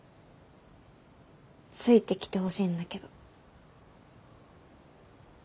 ついてきてほしいんだけど。